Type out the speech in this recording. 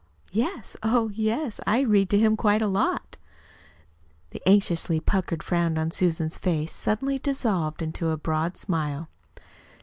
"Yes, oh, yes. I read to him quite a lot." The anxiously puckered frown on Susan's face suddenly dissolved into a broad smile.